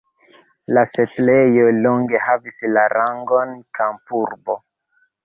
La setlejo longe havis la rangon kampurbo.